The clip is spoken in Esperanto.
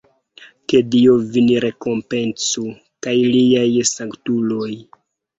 Ke Dio vin rekompencu kaj liaj sanktuloj!